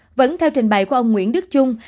nhưng theo trình bày của ông nguyễn đức trung